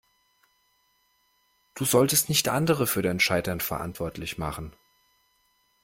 Du solltest nicht andere für dein Scheitern verantwortlich machen.